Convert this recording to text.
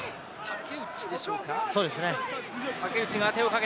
竹内でしょうか？